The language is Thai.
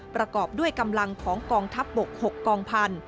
ประกอบด้วยกำลังของกองทัพบก๖กองพันธุ